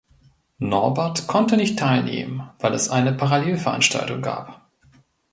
Norbert konnte nicht teilnehmen, weil es eine Parallelveranstaltung gab.